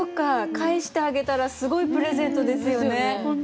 返してあげたらすごいプレゼントですよね。